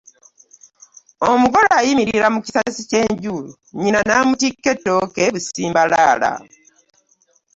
Omugole ayimirira mu kisasi ky’enju nnyina n’amutikka ettooke busimbalaala.